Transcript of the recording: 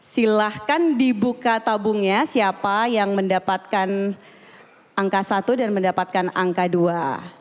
silahkan dibuka tabungnya siapa yang mendapatkan angka satu dan mendapatkan angka dua